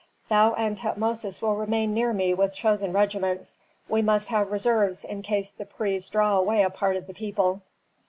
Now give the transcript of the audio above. Thou and Tutmosis will remain near me with chosen regiments. We must have reserves in case the priests draw away a part of the people."